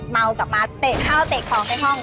เมากลับมาเตะข้าวเตะของในห้อง